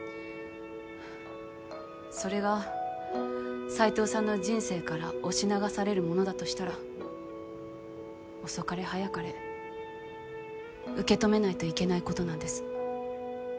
はぁそれが斎藤さんの人生から押し流されるものだとしたら遅かれ早かれ受け止めないといけないことなんです。